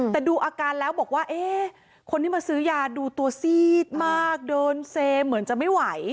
แต่ดูอาการแล้วบอกว่าคนที่มาซื้อยาดูตัวซีดมากเดินเซเหมือนจะไม่ไหว